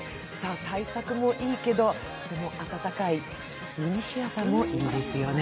大作もいいけど温かいミニシアターもいいですね。